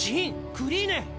クリーネ！